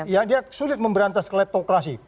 ya dia sulit memberantas kleptokrasi